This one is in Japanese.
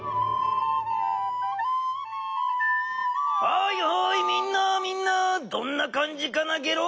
はいはいみんなみんなどんなかんじかなゲロ？